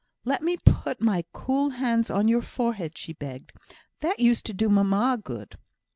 "Let me put my cool hands on your forehead," she begged; "that used to do mamma good."